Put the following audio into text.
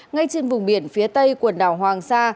ngay trên vùng biển phía tây quần đảo hoàng sa